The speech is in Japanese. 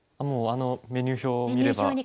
もうあのメニュー表を見れば。